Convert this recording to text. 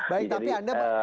baik tapi anda